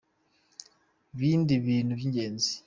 bindi bintu by'ingenzi.